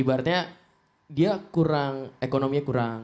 artinya dia kurang ekonomi kurang